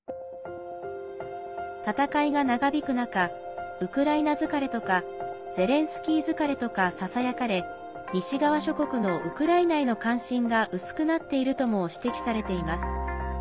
戦いが長引く中ウクライナ疲れとかゼレンスキー疲れとかささやかれ西側諸国のウクライナへの関心が薄くなっているとも指摘されています。